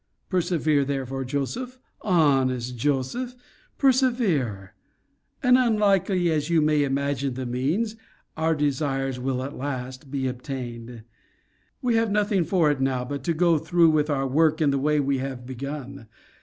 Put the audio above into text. Persevere, therefore, Joseph, honest Joseph, persevere; and unlikely as you may imagine the means, our desires will at last be obtained. We have nothing for it now, but to go through with our work in the way we have begun.